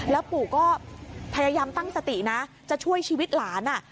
แล้วปู่ก็พยายามตั้งสตินะจะช่วยชีวิตหลาน